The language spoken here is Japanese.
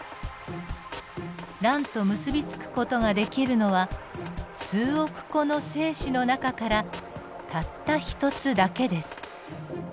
卵と結び付く事ができるのは数億個の精子の中からたった１つだけです。